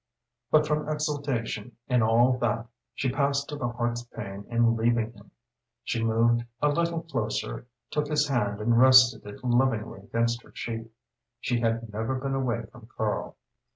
But from exultation in all that, she passed to the heart's pain in leaving him. She moved a little closer, took his hand and rested it lovingly against her cheek. She had never been away from Karl.